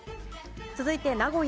続いて名古屋。